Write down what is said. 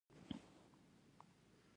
چارواکو ته پکار ده چې، برق تولید زیات کړي.